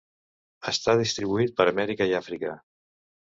Està distribuït per Amèrica i Àfrica.